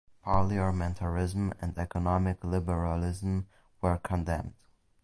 Parliamentarism and economic liberalism were condemned.